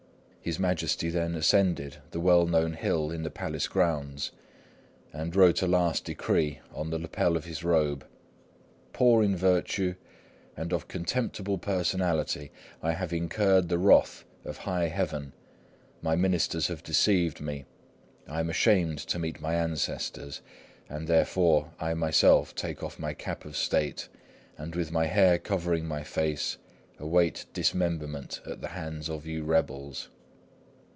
His Majesty then ascended the well known hill in the Palace grounds, and wrote a last decree on the lapel of his robe:— "Poor in virtue, and of contemptible personality, I have incurred the wrath of high Heaven. My ministers have deceived me. I am ashamed to meet my ancestors; and therefore I myself take off my cap of State, and with my hair covering my face, await dismemberment at the hands of you rebels."